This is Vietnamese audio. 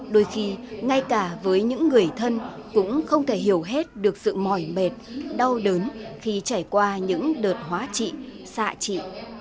đôi khi ngay cả với những người thân cũng không thể hiểu hết được sự mỏi mệt đau đớn khi trải qua những đợt hóa trị xạ trị